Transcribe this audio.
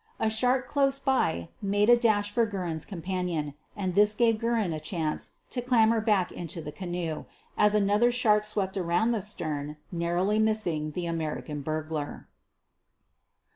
A shark close by mad( ' a dash for Guerin 's companion, and this gave Guerin a chance to clamber back into the canoe, as another shark swept around the stern, narrowly missing tike American burglar.